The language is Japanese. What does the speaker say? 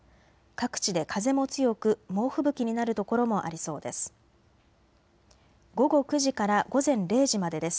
各地で風も強く猛吹雪になるところもありそうです。